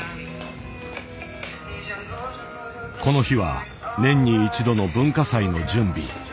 この日は年に一度の文化祭の準備。